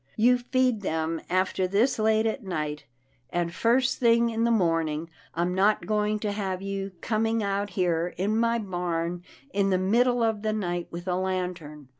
You feed them after this late at night, and first thing in the morn ing. I'm not going to have you coming out here in my barn in the middle of the night with a lantern.